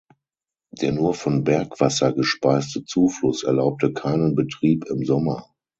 Der nur von Bergwasser gespeiste Zufluss erlaubte keinen Betrieb im Sommer.